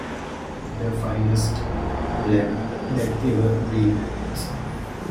The finest lad that ever breathed!